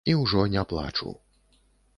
І ўжо не плачу.